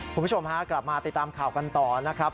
คุณผู้ชมฮะกลับมาติดตามข่าวกันต่อนะครับ